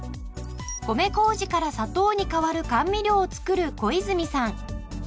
米麹から砂糖に代わる甘味料を作る小泉さん。